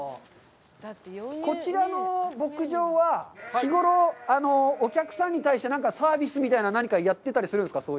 こちらの牧場は日ごろ、お客さんに対して何かサービスみたいなのを何か、やってたりするんですか。